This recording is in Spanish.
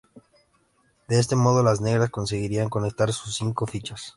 De este modo, las negras conseguirían conectar sus cinco fichas.